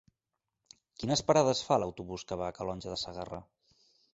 Quines parades fa l'autobús que va a Calonge de Segarra?